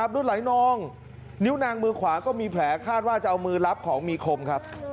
เลือดไหลนองนิ้วนางมือขวาก็มีแผลคาดว่าจะเอามือรับของมีคมครับ